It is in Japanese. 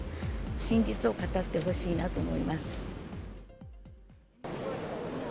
真実を語ってほしいなと思います。